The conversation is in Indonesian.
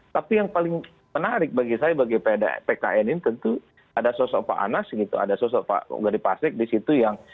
tapi yang paling menarik bagi saya bagi pkn ini tentu ada sosok pak anas gitu ada sosok pak gadi pasek di situ yang